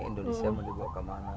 indonesia mau dibawa kemana